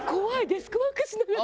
デスクワークしながら。